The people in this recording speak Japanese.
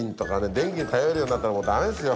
電気に頼るようになったらもう駄目ですよ。